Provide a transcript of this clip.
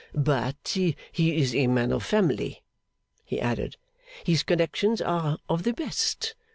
'But he is a man of family,' he added. 'His connections are of the best.